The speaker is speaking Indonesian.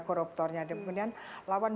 koruptornya kemudian lawan